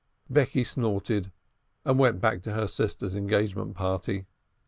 Becky snorted and went back to her sister's engagement party.